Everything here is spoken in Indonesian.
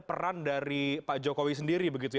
berarti juga ada peran dari pak jokowi sendiri begitu ya